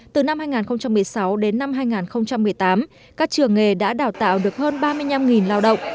từ năm hai nghìn một mươi sáu đến năm hai nghìn một mươi tám các trường nghề đã đào tạo được hơn ba mươi năm lao động